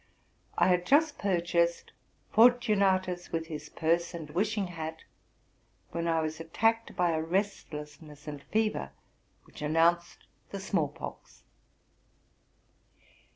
I had just purchased '* Fortunatus with his Purse and Wishing hat,'' when I was attacked by a restlessness and fever which announced the small pox.